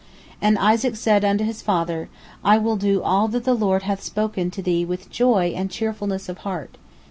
And Isaac said unto his father, "I will do all that the Lord hath spoken to thee with joy and cheerfulness of heart."